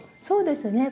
そうですね。